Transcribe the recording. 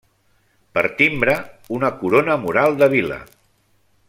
Per timbre, una corona mural de vila.